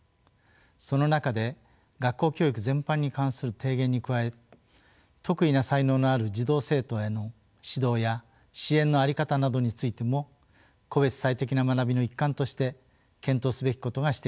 その中で学校教育全般に関する提言に加え特異な才能のある児童生徒への指導や支援の在り方などについても個別最適な学びの一環として検討すべきことが指摘されました。